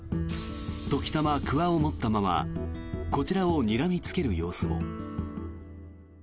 時たま、くわを持ったままこちらをにらみつける様子も。